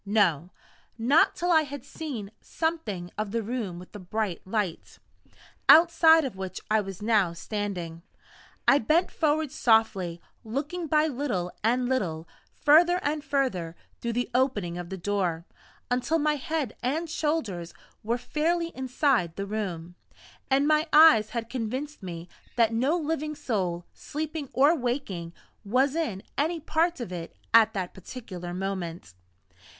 No not till I had seen something of the room with the bright light, outside of which I was now standing. I bent forward softly; looking by little and little further and further through the opening of the door, until my head and shoulders were fairly inside the room, and my eyes had convinced me that no living soul, sleeping or waking, was in any part of it at that particular moment.